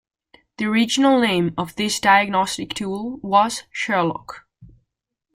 The original name of this diagnostic tool was "Sherlock".